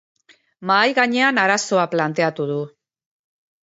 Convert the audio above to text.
Mahai gainean arazoa planteatu du.